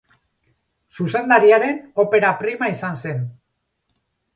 Zuzendariaren opera prima izan zen.